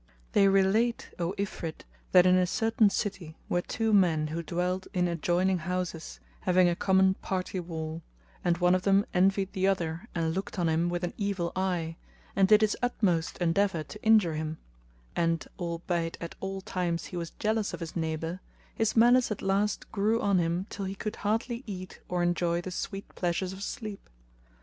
They relate, O Ifrit, that in a certain city were two men who dwelt in adjoining houses, having a common party wall; and one of them envied the other and looked on him with an evil eye,[FN#217] and did his utmost endeavour to injure him; and, albeit at all times he was jealous of his neighbour, his malice at last grew on him till he could hardly eat or enjoy the sweet pleasures of sleep.